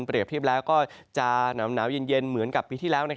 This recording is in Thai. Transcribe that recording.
เทียบแล้วก็จะหนาวเย็นเหมือนกับปีที่แล้ว